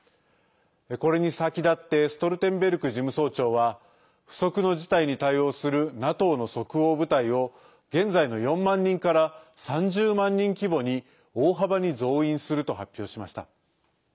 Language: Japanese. これに先立ってストルテンベルグ事務総長は不測の事態に対応するＮＡＴＯの即応部隊を現在の４万人から３０万人規模に大幅に増員すると発表しました。